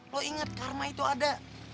lo inget karma itu ada